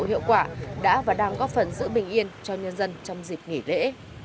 hiệu quả đã và đang góp phần giữ bình yên cho nhân dân trong dịp nghỉ lễ